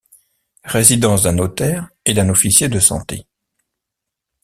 Résidence d’un notaire et d’un officier de santé.